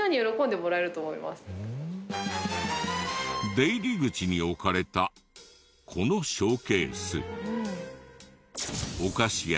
出入り口に置かれたこのショーケース。